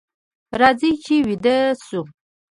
راځئ چې ویده شو.